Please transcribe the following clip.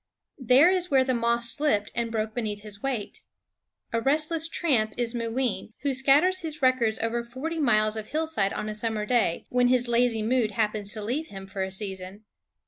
there is where the moss slipped and broke beneath his weight. A restless tramp is Mooween, who scatters his records over forty miles of hillside on a summer day, when his lazy mood happens to leave him for a season.